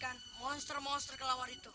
kamu harus menghentikan monster monster kelawar itu